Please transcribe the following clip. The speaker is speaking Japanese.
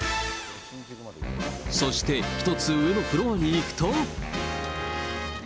そして１つ上のフロアに行くと。